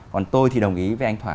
còn tôi thì đồng ý với anh thỏa